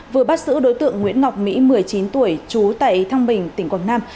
vừa bắt giữ đối tượng nguyễn ngọc mỹ một mươi chín tuổi trú tại thăng bình tỉnh quảng nam